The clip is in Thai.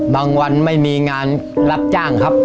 วันไม่มีงานรับจ้างครับ